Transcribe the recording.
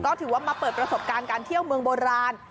ก็ถือว่ามาเปิดประสบการณ์การเที่ยวเมืองโบราณ